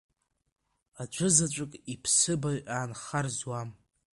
Аӡәызаҵәык иԥсыбаҩ аанхар зуам.